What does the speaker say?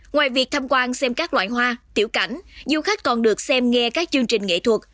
ngoài việc tham quan xem các loại hoa tiểu cảnh du khách còn được xem nghe các chương trình nghệ thuật